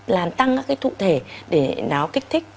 làm tăng các cái cụ thể để nó kích thích